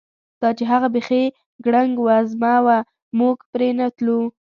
دا چې هغه بیخي ګړنګ وزمه وه، موږ پرې نه تلو.